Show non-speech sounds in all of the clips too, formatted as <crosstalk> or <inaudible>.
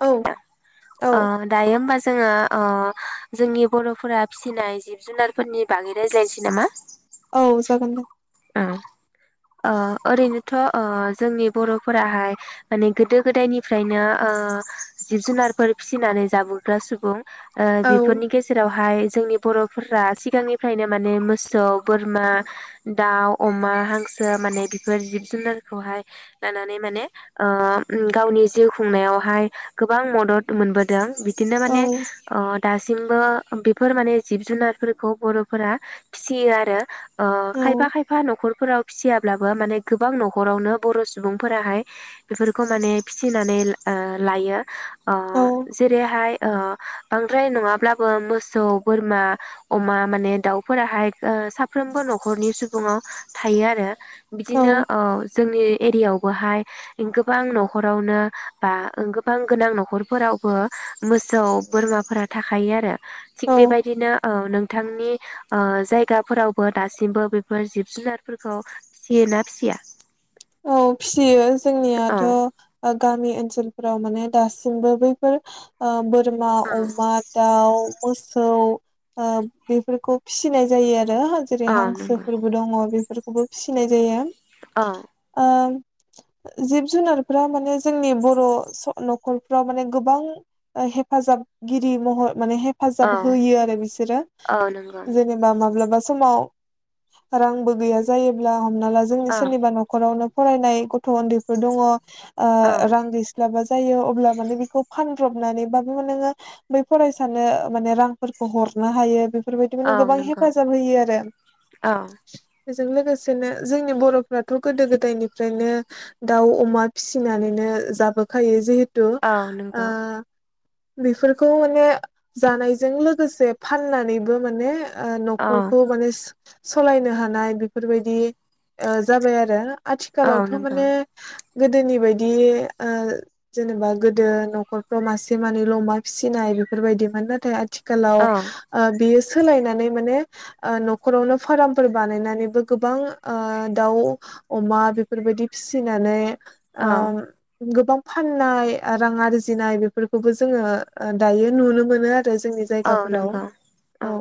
औ ओ औ दायो होमबा जोङो ओ जोंनि बर'फोरा फिसिनाय जिब जुनारफोरनि बागै रायज्लायसै नामा औ जागोन दे औम ओ ओरैनोथ ओ जोंनि बर'फोराहाय माने गोदो गोदायनिफ्रायनो ओ जिब जुनारफोर फिसिनानै जाबोग्रा सुबुं ओ औ बेफोरनि गेजेरावहाय जोंनि बर'फोरा सिगांनिफ्रायनो माने मोसौ बोरमा दाउ अमा हांसो माने बिफोर जिब जुनारखौहाय लानानै माने ओ गावनि जिउ खुंनायावहाय गोबां मदद मोनबोदों बिदिनो औ माने ओ दासिमबो बेफोर माने जिब जुनारफोरखौ बर'फोरा फिसियो आरो अ औ खाय खायफा खायफा न'खरफोराव फिसिया अब्लाबो माने गोबां न'खरावनो बर' सुबुंफोराहाय बेफोरखौ माने फिसिनानै लायो ओ औ जेरैहाय ओ बांद्राय नङाब्ला बो मोसौ बोरमा अमा माने दाउफोराहाय ओ साफ्रोमबो न'खरनि सुबुं बुङाव थायो आरो बिदिनो ओ जोंनि एरियावबोहाय गोबां न'खरावनो बा गोबां गोनां न'खरफोरावबो मोसौ बोरमाफोरा थाखायो आरो थिग औ बेबायदिनो औ नोंथांनि ओ जायगाफोरावबो दासिमबो बे फोर जिब जुनारफोरखौ फिसियोना फिसिया औ फियो औ जोंनियाथ गामि ओनसोलफोराव माने दासिमबो बैफोर ओ बो बोरमा अमा दाउ मोसौ ओ बेफोरखौ फिसिनाय जायो आरो जेरै औ नंगौ हांसोफोरबो दङ बेफोर खौबो फिसिनाय जायो अ ओ जिब जुनारफ्रा माने जोंनि बर नखरफ्राव माने गोबां ओ हेफाजाबगिरि महर माने औ हेफाजाब होयो आरो बिसोरो औ नंगौ जेनेबा माब्लाबा समाव रांबो गैया जायोब्ला हमना ला जोंनि औ सोरनिबा न नआवनो फरायनाय गथ उन्दैफोर दङ ओ औ रां गैस्लाबा जायो अब्ला माने बेखौ फान ब्रबनानै बाबो नोङो बै फरायसानो माने रांफोरखौ हरनो हायो बेफोर बेफोर बायदिबो माने औ गोबां नंगौ हेफाजाब होयो आरो औ बेजों लोगोसेनो जोंनि बरफ्रा थ बे गोदो गोदायनिफ्रायनो दाउ-अमा फिसिनानैनो जाबोखायो जिहे थु औ आ नंगौ बेफोरखौ माने जानायजों लोगोसे फाननानैबो माने ओ औ नखरखौ माने सलायनो हानाय बेफोरबायदि ओ जाबाय आरो औ आथिखालावथ नंगौ माने गोदोनि बायदि ओ जेनेबा गोदो नखरफ्राव मासे मानैल अमा फिसिनाय बेफोर बायदिमोन नाथाय आथिखाल खालाव औ ओ बियो सोलायनानै माने ओ नखरावनो फारामफोर बानायनानैबो गोबां ओ दाउ-अमा बेफोर बायदि फिसिनानै औ आम गोबां फाननाय, रां आरजिनाय बेफोरखौबो जोङो दायो नुनो मोनो आरो आरो जोंनि औ जायगाफोराव, नंगौ औ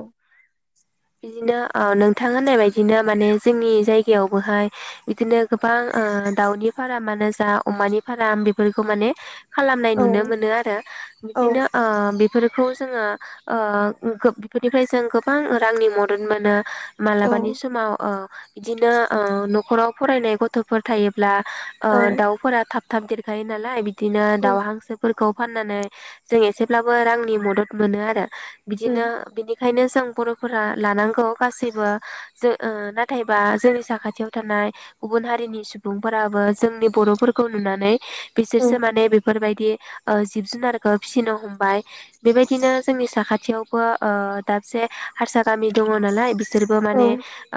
बिदिनो ओ नोंथां होननाय बायदिनो माने जोंनि जायगायावबोहाय बिदिनो गोबां ओ दाउनि फारामानो जा, अमानि फाराम बेफोरखौ माने खालामनाय औ नुनो मोनो आरो औ बिदिनो ओ बेफोर बेफोरखौ जोङो ओ गोब बेफोरनिफ्राय जों गोबां रांनि मदद मोनो मालाबानि समाव ओ बिदिनो ओ नखराव फरायनाय गथफोर थायोब्ला ओ औ दाउफोरा थाब थाब देरखायो नालाय बिदि बिदिनो दाउ उम हांसोफोरखौ फाननानै जों एसेब्लाबो रांनि मदद मोनो आरो बिदिनो बिनि ओंखायनो जों बर फोरा लानांगौ गासैबो जो ओ नाथायबा जोंनि साखाथियाव थानाय गुबुन हारिनि सुबुंफोराबो जोंनि बरफोरखौ नुनानै बिसोरसो उम माने बे बेफोर बायदि ओ जिब जुनारखौ फिसिनो हमबाय बेबायदिनो जोंनि साखाथियावबो ओ दाबसे हारसा गामि दङ नालाय बिसोरबो औ माने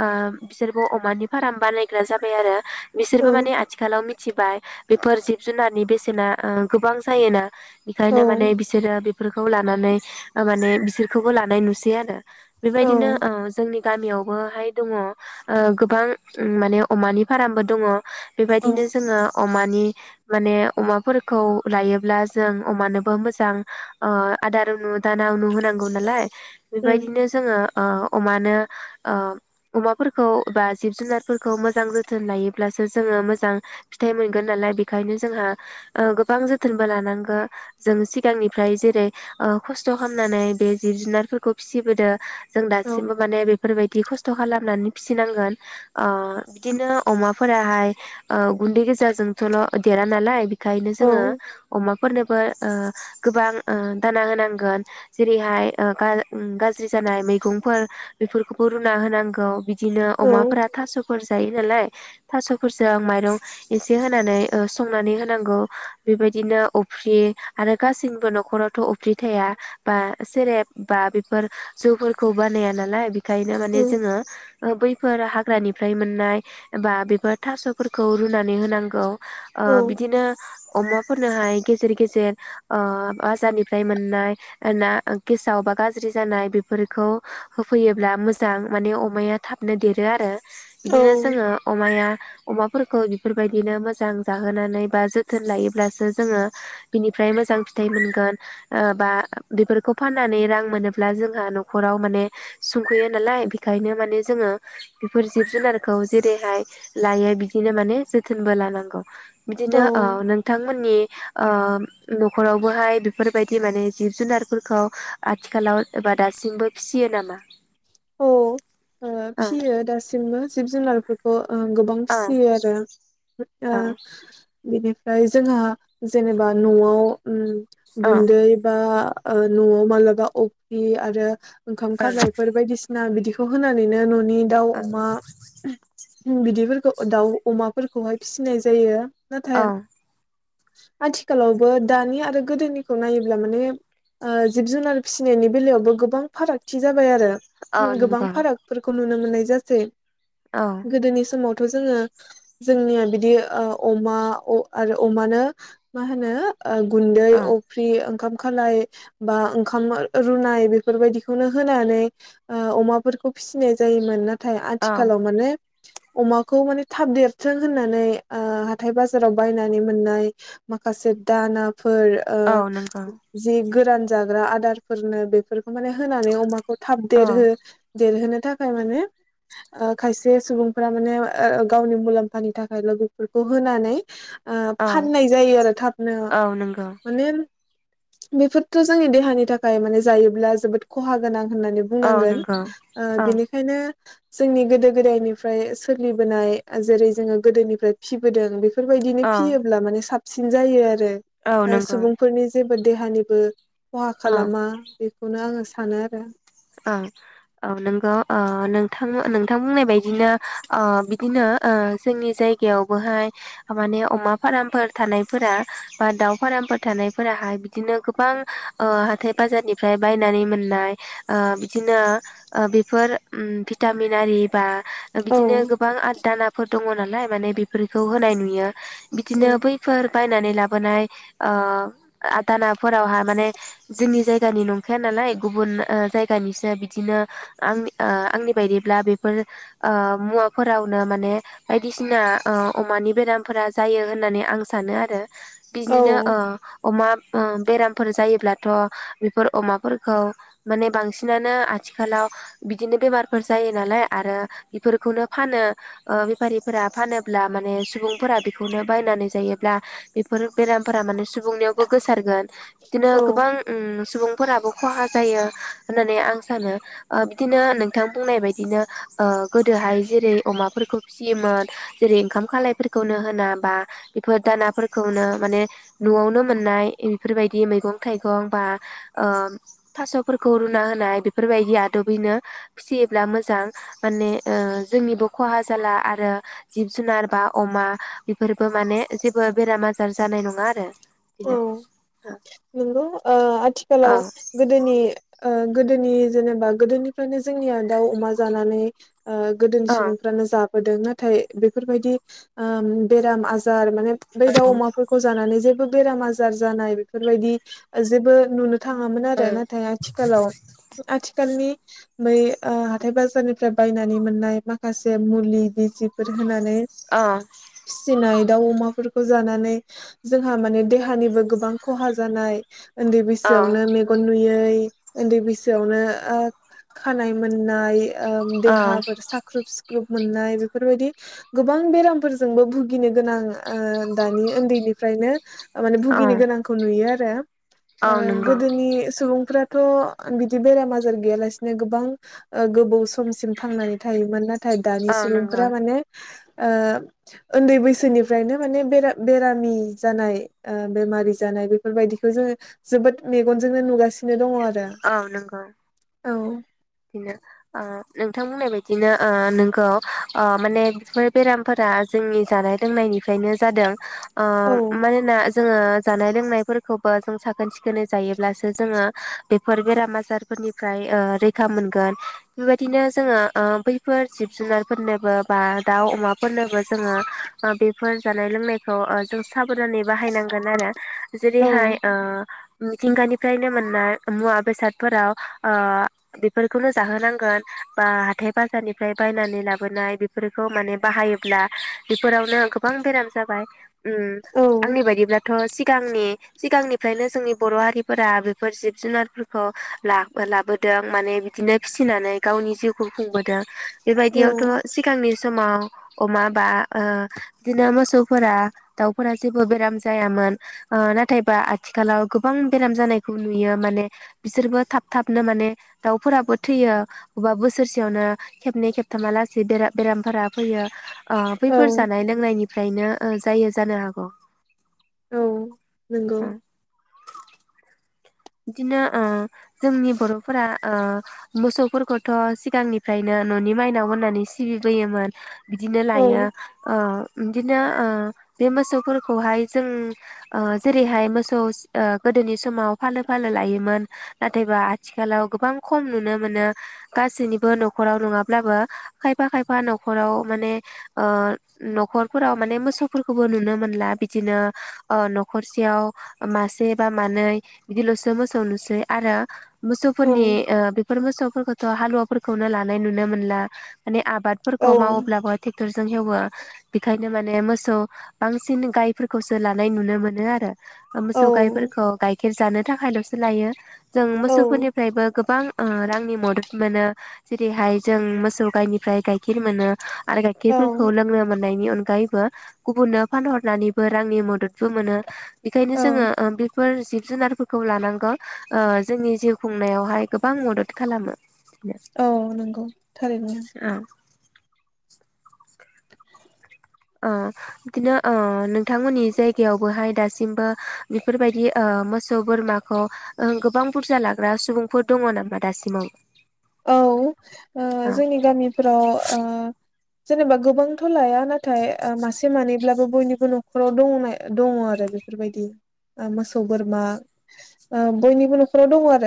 ओ बिसोरबो अमानि फाराम बानायग्रा जाबाय आरो औ बिसोरबो माने आथिखालाव मिथिबाय बेफोर जिब जुनारनि बेसेना ओ गोबां जायोना औ बेखायनो माने बिसोरो बिब बेफोरफोरखौ लानानै माने बिसोरखौबो लानाय नुसै आरो औ बेबायदिनो ओ जोंनि गामियावबोहाय दङ ओ गोबां उम माने अमानि फारामबो दङ औ बेबायदिनो जोङो अमानि माने अमाफोरखौ लायोब्ला जों अमानोबो मोजां ओ आदार नु दाना नु होनांगौ नालाय उम बेबायदिनो ओ ओ अमानो अमाफोरखौ बा जिब जुनारफोरखौ मोजां जोथोन लायोब्लासो जोङो मोजां फिथाइ मोनगोन नालाय बेखायनो जोंहा ओ गोबां जोथोनबो लानांगो जों सिगांनिफ्राय जेरै ओ खस्थ खामनानै बे जिब जुनारफोरखौ फिसिबोदों जों औ दासिमबो माने बेफोरबायदि खस्थ खालामनानै फिसिनांगोन ओ बिदिनो अमाफोराहाय ओ उन्दै गोजाजोंथल देरा नालाय बि बेखायनो औ जोङो अमाफोरनो फोर ओ गोबां ओ दाना होनांगोन जेरैहाय ओ गाज गाज्रिसि जानाय मैगंफोर बेफोरखौबो रुना होनांगौ बिदिनो औ अमाफोरा थासफोर जायो नालाय थासफोरजों माइरं एसे होनानै ओ संनानै होनांगौ बेबायदिनो अफ्रि आरो गासैबो नखरावथ अफ्रि थाया बा सेरेब बा बेफोर जौफोरखौ बानाया नालाय ओंखायनो माने उम जोङो ओ बैफोर हाग्रानिफ्राय मोननाय बा बेफोर थास'फोरखौ रुनानै होनांगौ। ओ औ बिदिनो अमाफोरनोहाय गेजेर गेजेर ओ बाजारनिफ्राय मोननाय ना गेसाव बा गाज्रि जानाय बेफोरखौ होफैयोब्ला मोजां माने अमाया थाबनो देरो आरो। औ बिदिनो जोङो अमाया अमाफोरखौ बेफोरबायदिनो मोजां जाहोनानै बा जोथोन लायोब्लासो जोङो बिनिफ्राय मोजां फिथाइ मोनगोन ओ बा बेफोरखौ फाननानै रां मोनोब ब्ला जोंहा नख'राव माने सुंख'यो नालाय बेखायनो माने जोङो बेफोर जिब-जुनारखौ जेरैहाय लायो बिदिनो माने जोथोनबो लानांगौ। बिदिनो ओ औ नोंथांमोननि ओ नख'रावबोहाय बेफोरबायदि माने जिब-जुनारफोरखौ आथिखालाव एबा दासिमबो फिसियो नामा? औ ओ औ फिसियो दासिमबो जिब-जुनार फोरखौ ओ गोबां औ फिसियो आरो ओ औ बिनि फ्राय जोंहा जेनेबा नआव ओम। गुन्दै बा ओ नआव मालाबा अफ्रि आरो ओंखाम औ खालायफोर बायदिसि आ बिदिखौ होनानैनो मो नि दाउ औ अमा <unintelligible> बिदिफोरखौ दाउ अमाफोरखौहाय फिसिनाय जायो। औ नाथाइ आथिखालावबो दानि आरो गोदोनिखौ नायोब्ला माने ओ जिब-जुनार फिसिनायनि बेलायावबो गोबां फारागथि जाबाय आरो। औ गोबां नंगौ फारागफोरखौ नुनो मोननाय जासै। औ गोदोनि समाव। थ' जोङो जोंनिया बिदि ओ अमा अ आरो अमानो मा होनो ओ गुन्दै औ अफ्रि ओंखाम खालाय बा ओंखाम रुनाय बेफोरबायदिखौनो होनानै ओ अमाफोरखौ फिसिनाय जायोमोन ना नाथाय औ आथिखालाव माने अमाखौ माने थाब देरथों होननानै ओ हाथाइ बाजाराव बायनानै मोननाय माखासे दाना फोर ओ औ नंगौ जि गो गोरान जाग्रा आदारफोरनो बेफोरखौ माने होनानै अमाखौ थाब औ देरहो देरहोनो थाखाय माने ओ खायसे सुबुंफोरा माने ओ गावनि मुलाम्फानि थाखाय बेफोरखौ होनानै ओ औ फाननाय जायो आरो थाबनो औ नंगौ माने बेफोरथ जोंनि देहानि थाखाय माने जायोब्ला जोबोद खहा गोनां होननानै औ बुंनांगोन नंगौ ओ औ बेनिखायनो जोंनि गोदो गोदायनिफ्राय सोलिबोनाय जेरै जोङो गोदोनिफ्राय फिसिबोदों बेखौ बेफोरबायदिनो औ फिसियोब्ला माने साफ साबसिन जायो आरो। औ रो ओ नंगौ सुबुंफोरनि जो देहानिबो खहा औ खालामा बेखौनो आङो सान सानो आरो। औ औ नोंगौ ओ नोंथां। बिथां बुंनाय बायदिनो ओ बि बिदिनो ओ जोंनि जायगायावबोहाय माने अमा फार्मफोर थानायफोरा बा दाउ फारमफोर थानायफोराहाय बिदिनो गोबां ओ हाथाय बाजारनिफ्राय बायनानै मोननाय ओ बिदिनो बेफोर भिटामिनारि बा बिदिनो औ गोबां आ दानाफोर दङ नालाय माने बेफोरखौ होनाय नुयो। बिदिनो औ बैफोर बायनानै लाबोनाय ओ दानाफोरावहा माने जोंनि जायगानि नंखाया नालाय गुबुन ओ जायगानिसो बिदिनो आं आंनि बायदिब्ला बेफोर ओ मुवाफोरावनो माने बायदिसिना ओ अमानि बेरामफोरा जायो होननानै आं सानो आरो। बिदिनो ओ अमा बेरामफोर जायोब्लाथ बेफोर अमाफोरखौ माने बांसिनानो आथिखालाव बिदिनो बेमारफोर जायो नालाय आरो बेफोरखौनो फानो ओ बेफारिफोरा फानोब्ला माने सुबुंफोरा बेखौनो बायनानै जायोब्ला बेफोर बेराम फोरा माने सुबुंनियावबो गोसारगोन बिदिनो औ गोबां ओ सुबुं फोराबो खहा जायो। होननानै आं सानो बिदिनो नोंथां बुंनाय बायदिनो ओ गोदोहाय जेरै अमाफोरखौ फिसियोमोन जेरै ओंखाम खालायफोरखौनो होना बा बेफोर दानाफोरखौनो माने नआवनो मोननाय बेफोरबायदि मैगं थाइगं बा ओ थासफोरखौ खौ रुना होनाय बेफोरबायदि आदबैनो फिसियोब्ला मोजां माने जोंनिबो खहा जाला आरो जिब जुनार बा अमा बेफोरबो माने जेबो बेराम आजार जानाय नङा आरो। औ बिदिनो नंगौ ओ आथिखाल आथिखालाव औ गोदोनि ओ गोदोनि जेनेबा गोदोनिफ्रायनो जोंनिया दाउ अमा जानानै ओ गोदोनि औ सुबुंफ्रानो जाब नाथाय बेफोरबायदि ओ बेराम आजार माने बै दाउ अमाफोरखौ जानानै जेबो बेराम आजार जानाय बेफोरबायदि जेबो नुनो थाङामोन औ आरो नाथाय आथिखालाव आथिखालनि बै ओ हाथाय बाजारनिफ्राय बायनानै मोननाय माखासे मुलि बिजिफोर होनानै औ फिसिनाय दाउ अमाफोरखौ जानानै जोंहा माने देहानिबो गोबां खहा जानाय उन्दै औ बैसोआवनो मेगन नुयै उन्दै बैसोआवनो ओ खानाय मोननाय ओं औ देहाफोर साख्रोब सिख्रो ख्रुब मोननाय बेफोरबायदि गोबां बेरामफोर जोंबो भुगिनो गोनां ओ दानि उन्दैनिफ्रायनो ओ माने औ भुगिनो गोनांखौ नुयो आरो औ <unintelligible> ओ नंगौ गोदोनि सुबुं फ्राथ बिदि बेराम आजार गैयालासिनो गोबां ओ गोबाव समसिम थांनानै थायोमोन नाथ थाय दानि औ नंगौ सुबुंफोरा माने ओ उन्दै बैसोनिफ्रायनो माने बेरा बेरामि जानाय ओ‌ बेमारि जानाय बेफोरबायदिखौ जोंङो जोबोद मेगनजोंनो नुगासिनो दंङ आरो औ बिनो ओ नोंथां बुंनाय बायदिनो ओ नोंगौ ओ माने बेफोर बेरामफोरा जोंनि जानाय लोंनायनि फ्रायनो जादों ओ औ मानोना जोङो जानाय लोंनायफोरखौबो जों साखोन सिखोनै जायोब्लासो जोङो बेफोर बेराम आजारफोरनिफ्राय ओ रै खा मोनगोन बेबायदिनो जोङो बैफोर जिब जुनारफोरनोबो बा दाउ अमाफोरनोबो जोङो बेफोर जानाय लोंनायखौ जों साबधानै बाहायनांगोन आरो औ जेरैहाय ओ मिथिंगानिफ्रायनो मोननाय मुवा बेसादफोराव आ बेफोरखौनो जाहोनांगोन बा हाथाय बाजारनिफ्राय बायनानै लाबोनाय बेफोरखौ माने बाहायोब्ला बेफोरावनो गोबां बेराम जाबाय उम आंनि बायदिब्लाथ सिगांनि सिगांनि फ्रायनो जोंनि बर हारिफोरा बेफोर जिब जुनारफोरखौ लाब लाबोदों माने बिदिनो फिसिनानै गावनि जिउखौ खुंबोदों बेबायदियावथ औ सिगांनि ज समाव अमा बा ओ बिदिनो मोसौफोरा दाउफोरा जेबो बेराम जायामोन ओ नाथायबा आथिखालाव गोबां बेराम जानायखौ नुयो माने बिसोरबो थाब थाबनो माने दाउ फोराबो थैयो बबेबा बोसोरसेयावनो खेबनै खेबथामा लासै बेरा-बेरामफोरा फैयो अ औ बैफोर जानाय लोंनायनि फ्रायनो ओ जायो जानो हागौ औ नोंगौ बिदिनो ओ जोंनि बरफोरा ओ मोसौफोरखौथ सिगांनिफ्रायनो ननि माइनाव होननानै सिबिबोयोमोन बिदिनो औ लायो ओ बिदिनो ओ बे मोसौफोरखौहाय जों ओ‌ जेरैहाय मोसौ स ओ गोदोनि समाव फालो फालो लायोमोन नाथायबा आथिखालाव गोबां खम नुनो मोनो गासैनिबो नखराव नङाब्लाबो खायफा खायफा नखराव माने ओ नखरफोराव माने मोसौफोरखौबो नुनो मोनला बिदिनो ओ नखरसेयाव मासे बा मानै बिदिल'सो मोसौ नुसै आरो औ मोसौफोरनि ओ बेफोर मोसौ फोरखौथ' हालुवाफोरखौनो लानाय नुनो मोनला माने आ औ बादफोरखौ मावोब्लाबो थेक्टरजों हेवो बिखाय बिनो माने मोसौ बांसिन गायफोरखौसो लानाय नुनो मोनो आरो। ओ मोसौ औ गायफोरखौ गाय खेर जानो थाखायल'सो लायो। जों मोसौफोरनिफ्रायबो गोबां ओ रांनि मदद मोनो जेरैहाय जों मोसौ गाइनिफ्राय गाइखेर मोनो। आरो औ गायखेरफोरखौ लोंनो मोननाय नि अनगायैबो गुबुननो फानहरनानैबो रांनि मददबो मोनो। बेखायनो औ जोङो ओ बे फोर जिब जुनारफोर खौ लानांगौ ओ जोंनि जिउ खुंनायावहाय गोबां मदद खालामो। औ नंगौ थारैनो। ओ बिदिनो ओ नोंथांमोननि जायगायावबोहाय दासिमबो‌ बेफोरबायदि ओ मोसौ बोरमाखौ गोबां बुरजा लाग्रा सुबुंफोर दङ नामा दासिमाव? औ जोंनि ओ गामिफ्राव ओ जेनेबा गोबांथ' लाया नाथाय ओ मासे मानैब्लाबो बयनिबो नखराव दङनाय दङ आरो बेफोरबायदि ओ मोसौ बोरमा ओ बयनिबो नखराव दङ आरो